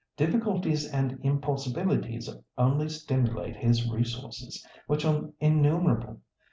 "Difficulties and impossibilities only stimulate his resources, which are innumerable.